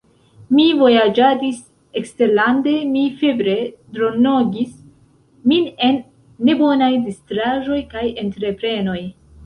Mi vojaĝadis eksterlande; mi febre dronigis min en nebonaj distraĵoj kaj entreprenoj.